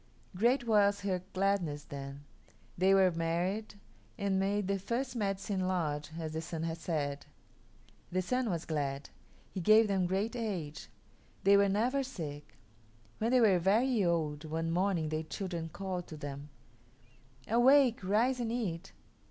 Great was her gladness then. They were married and made the first Medicine Lodge, as the Sun had said. The Sun was glad. He gave them great age. They were never sick. When they were very old, one morning their children called to them, "Awake, rise and eat."